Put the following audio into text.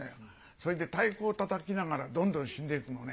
それで太鼓をたたきながらどんどん死んで行くのね。